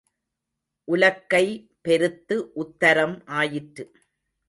உலக்கை பெருத்து உத்தரம் ஆயிற்று.